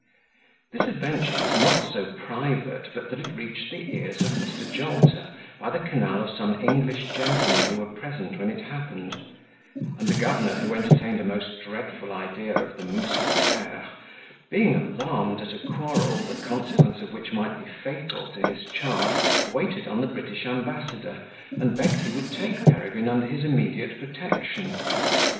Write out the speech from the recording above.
This adventure was not so private but that it reached the ears of Mr. Jolter by the canal of some English gentlemen who were present when it happened; and the governor, who entertained a most dreadful idea of the mousquetaires, being alarmed at a quarrel, the consequence of which might be fatal to his charge, waited on the British ambassador, and begged he would take Peregrine under his immediate protection.